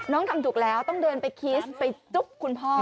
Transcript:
ทำถูกแล้วต้องเดินไปคีสไปจุ๊บคุณพ่อ